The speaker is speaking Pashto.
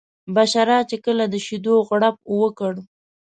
بشرا چې کله د شیدو غوړپ وکړ.